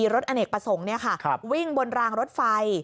รถอเนกประสงค์วิ่งบนรางรถไฟ